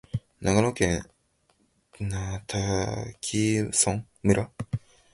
長野県泰阜村